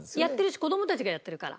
子供たちがやってるから。